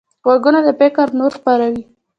غوږونه د فکر نور خپروي